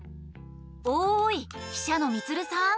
おい記者のみつるさん！